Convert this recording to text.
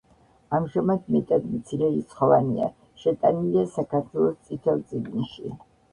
ამჟამად მეტად მცირერიცხოვანია, შეტანილია საქართველოს „წითელ წიგნში“.